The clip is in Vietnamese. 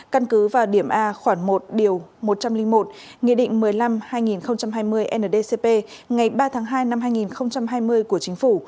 căn cứ vào điểm a khoảng một điều một trăm linh một nghị định một mươi năm hai nghìn hai mươi ndcp ngày ba tháng hai năm hai nghìn hai mươi của chính phủ